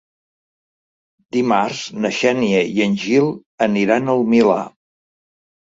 Dimarts na Xènia i en Gil aniran al Milà.